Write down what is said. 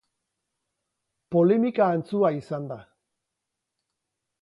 Polemika antzua izan da.